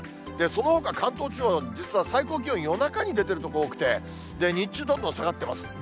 そのほか、関東地方、実は最高気温、夜中に出ている所、多くて、日中、どんどん下がってます。